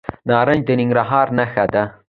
نارنج د ننګرهار نښه ده.